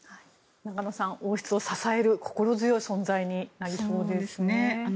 中野さん、王室を支える心強い存在になりそうですね。